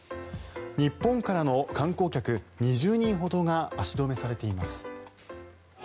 日本からの観光客２０人ほどが足止めされています。